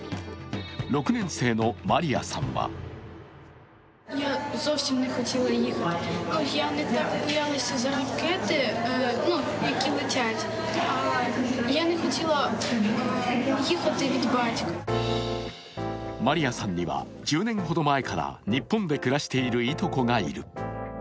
６年生のマリヤさんはマリヤさんには１０年ほど前から日本で暮らしているいとこがいる。